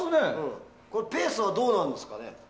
ペースはどうなんですかね？